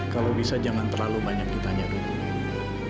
kalau bisa jangan terlalu banyak ditanya dokumen